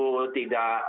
yang sebetulnya itu tidak